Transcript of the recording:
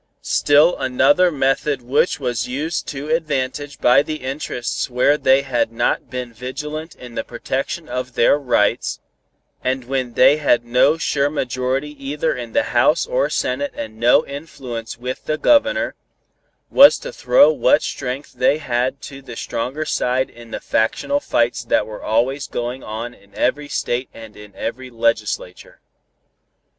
Still another method which was used to advantage by the interests where they had not been vigilant in the protection of their "rights," and when they had no sure majority either in the House or Senate and no influence with the Governor, was to throw what strength they had to the stronger side in the factional fights that were always going on in every State and in every legislature.